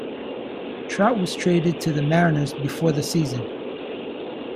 Trout was traded to the Mariners before the season.